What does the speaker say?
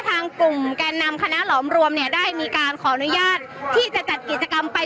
ทางกลุ่มแกนนำคณะหลอมรวมเนี่ยได้มีการขออนุญาตที่จะจัดกิจกรรมไป